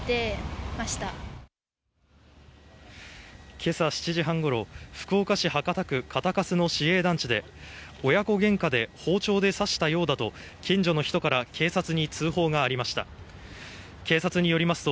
今朝７時半頃、福岡市博多区堅粕の市営団地で親子げんかで包丁で刺したようだと近所の人から警察に通報がありました。